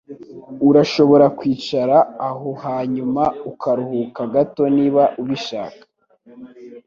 Urashobora kwicara aho hanyuma ukaruhuka gato niba ubishaka.